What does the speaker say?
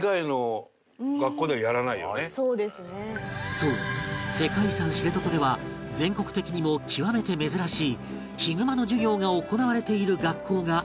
そう世界遺産知床では全国的にも極めて珍しいヒグマの授業が行われている学校があるという